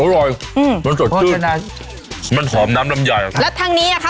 อร่อยอืมมันสดชื่นมันถอมน้ำดำใหญ่แล้วทางนี้นะคะ